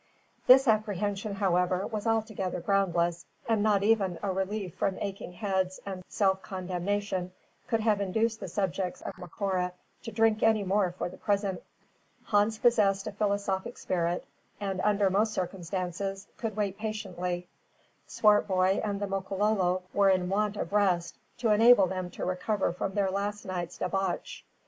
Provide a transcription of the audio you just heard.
This apprehension, however, was altogether groundless, and not even a relief from aching heads and self condemnation could have induced the subjects of Macora to drink any more for the present. Hans possessed a philosophic spirit, and, under most circumstances, could wait patiently. Swartboy and the Makololo were in want of rest, to enable them to recover from their last night's debauch.